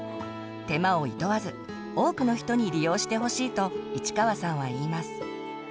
手間をいとわず多くの人に利用してほしいと市川さんは言います。